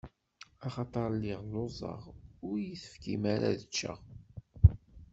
Axaṭer lliɣ lluẓeɣ, ur yi-tefkim ara ad ččeɣ.